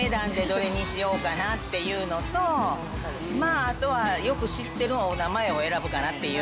お値段でどれにしようかなっていうのと、まあ、あとはよく知ってるお名前を選ぶかなっていう。